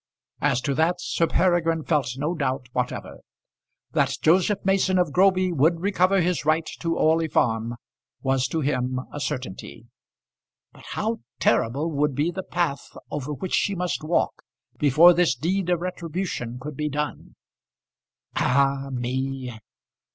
As to that Sir Peregrine felt no doubt whatever. That Joseph Mason of Groby would recover his right to Orley Farm was to him a certainty. But how terrible would be the path over which she must walk before this deed of retribution could be done! "Ah, me!